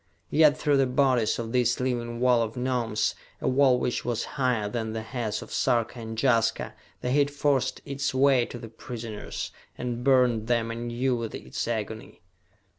Yet through the bodies of this living wall of Gnomes, a wall which was higher than the heads of Sarka and Jaska, the heat forced its way to the prisoners, and burned them anew with its agony.